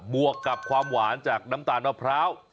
วกกับความหวานจากน้ำตาลมะพร้าว